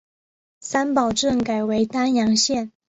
三堡镇改为丹阳县。